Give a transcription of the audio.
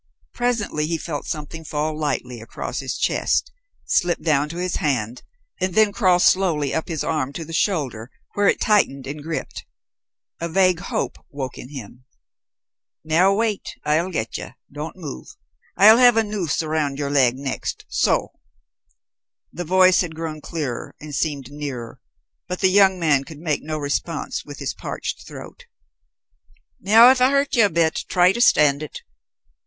Presently he felt something fall lightly across his chest, slip down to his hand, and then crawl slowly up his arm to the shoulder, where it tightened and gripped. A vague hope awoke in him. "Now, wait. I'll get ye; don't move. I'll have a noose around ye'r leg next, so." The voice had grown clearer, and seemed nearer, but the young man could make no response with his parched throat. "Now if I hurt ye a bit, try to stand it."